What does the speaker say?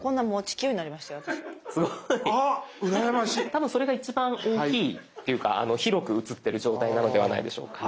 多分それが一番大きいというか広く映ってる状態なのではないでしょうか。